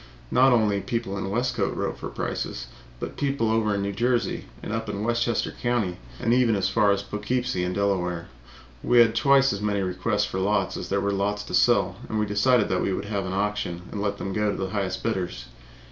Not only people in Westcote wrote for prices, but people away over in New Jersey and up in Westchester Country, and even from as far away as Poughkeepsie and Delaware. We had twice as many requests for lots as there were lots to sell, and we decided we would have an auction and let them go to the highest bidders.